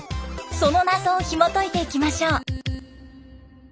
その謎をひもといていきましょう。